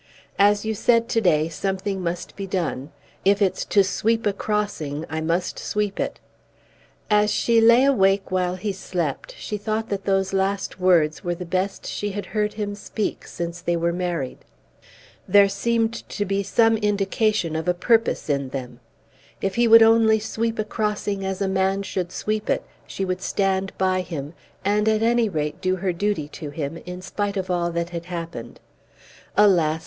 As you said to day, something must be done. If it's to sweep a crossing, I must sweep it." As she lay awake while he slept, she thought that those last words were the best she had heard him speak since they were married. There seemed to be some indication of a purpose in them. If he would only sweep a crossing as a man should sweep it, she would stand by him, and at any rate do her duty to him, in spite of all that had happened. Alas!